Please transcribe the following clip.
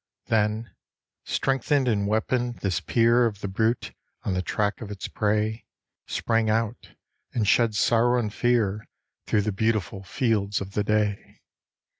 Then, strengthened and weaponed, this peer of the brute, on the track of its prey, Sprang out, and shed sorrow and fear through the beautiful fields of the day.